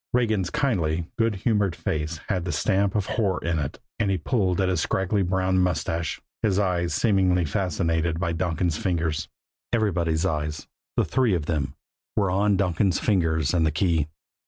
Regan's kindly, good humored face had the stamp of horror in it, and he pulled at his scraggly brown mustache, his eyes seemingly fascinated by Donkin's fingers. Everybody's eyes, the three of them, were on Donkin's fingers and the key.